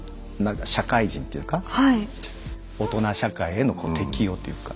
社会人というか大人社会への適応というか。